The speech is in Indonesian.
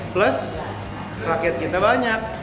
plus rakyat kita banyak